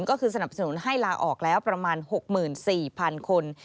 ก็คือสนับสนุนให้ลาออกแล้วประมาณ๖๔๐๐๐คน